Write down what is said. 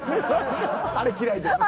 あれ、嫌いです。